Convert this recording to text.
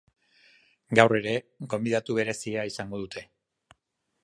Gaur ere, gonbidatu berezia izango dute.